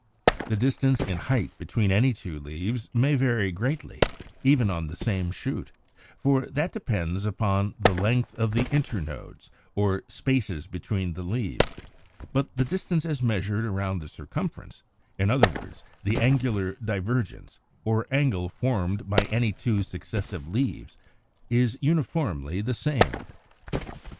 The distance in height between any two leaves may vary greatly, even on the same shoot, for that depends upon the length of the internodes, or spaces between the leaves; but the distance as measured around the circumference (in other words, the Angular Divergence, or angle formed by any two successive leaves) is uniformly the same.